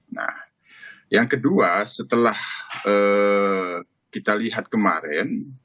nah yang kedua setelah kita lihat kemarin